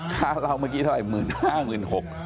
ค่าเราเมื่อกี้เท่าไหร่๑๐๐๐๐๑๕๖๐๐